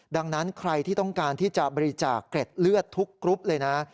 ดังนั้นใครที่ต้องการที่จะบริจาคเกร็ดเลือดทุกกรุ๊ปเลยนะ